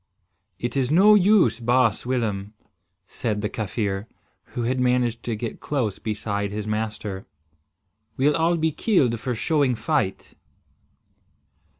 "It is no use, baas Willem," said the Kaffir, who had managed to get close beside his master. "We'll be killed for showing fight."